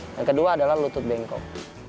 dan kedua adalah lutut bengkok